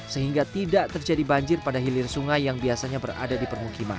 sehingga tidak terjadi banjir pada hilir sungai yang biasanya berada di permukiman